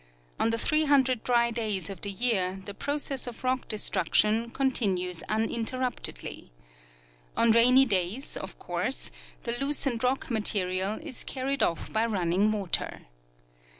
On the 300 dry days of the year the process of rock destruction continues uninterruptedly. On rainy days, of course, the loosened rock material is carried off by running water.